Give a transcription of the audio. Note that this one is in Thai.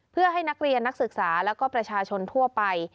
เพื่อให้นักเรียนนักศึกษาแล้วก็ประชาชนทั่วไป